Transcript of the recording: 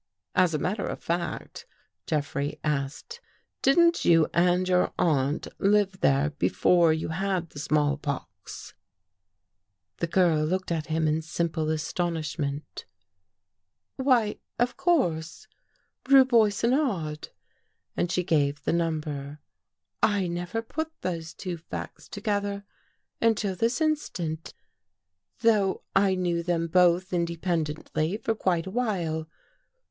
" As a matter of fact," Jeffrey asked, " didn't you and your aunt live there before you had the small pox? " The girl looked at him in simple astonishment. '' Why, of course, rue Boissonade," and she gave the number. " I never put those two facts together until this instant, though I knew them both inde pendently for quite a while.